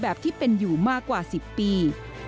แบบที่เป็นอยู่มากกว่า๑๐ปี